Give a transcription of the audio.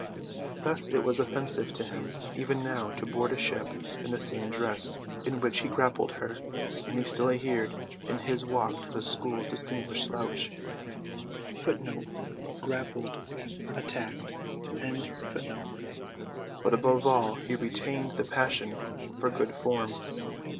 Thus it was offensive to him even now to board a ship in the same dress in which he grappled her, and he still adhered in his walk to the school's distinguished slouch. But above all he retained the passion for good form.